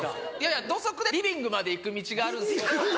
いや土足でリビングまで行く道があるんで。